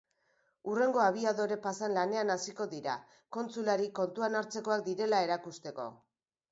Hurrengo abiadore-pasan lanean hasiko dira, kontsulari kontuan hartzekoak direla erakusteko.